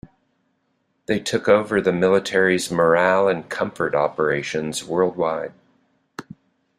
They took over the military's morale and comfort operations worldwide.